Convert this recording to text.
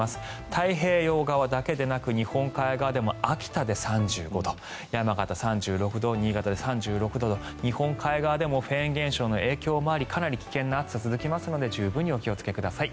太平洋側だけでなく日本海側でも秋田で３５度山形、３６度新潟で３６度日本海側でもフェーン現象の影響もありかなり危険な暑さが続きますので十分にお気をつけください。